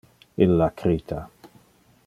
Illa crita.